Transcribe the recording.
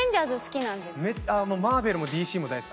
もうマーベルもＤＣも大好き。